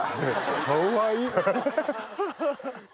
かわいい！